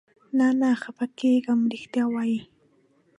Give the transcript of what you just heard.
نه، نه خفه کېږم، رښتیا وایې؟